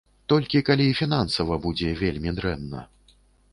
Толькі калі фінансава будзе вельмі дрэнна.